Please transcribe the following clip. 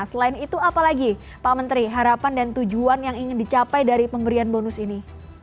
selain itu apa lagi pak menteri harapan dan tujuan yang ingin dicapai dari pemberian bonus ini